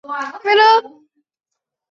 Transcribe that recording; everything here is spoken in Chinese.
小宫站八高线的铁路车站。